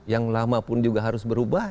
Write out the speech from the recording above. yang lama pun juga harus berubah